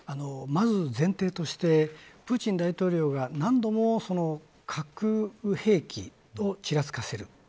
まず、前提としてプーチン大統領が何度も、核兵器をちらつかせる。